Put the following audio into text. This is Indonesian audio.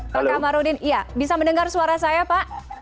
pak kamarudin iya bisa mendengar suara saya pak